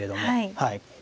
はい。